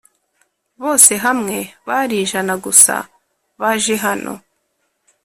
bose hamwe bari ijana gusa baje hano